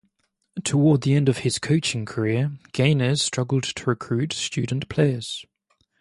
Toward the end of his coaching career, Gaines struggled to recruit student players.